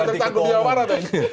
ini cakup tanggung jawa barat ini